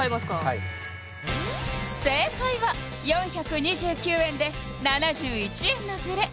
はい正解は４２９円で７１円のズレ